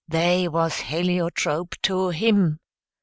they was heliotrope to HIM!"